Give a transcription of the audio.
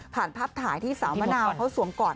ภาพถ่ายที่สาวมะนาวเขาสวมกอด